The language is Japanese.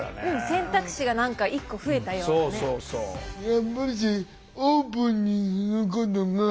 選択肢が何か１個増えたようなね。